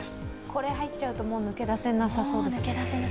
これに入っちゃうと、もう抜け出せなさそうですね。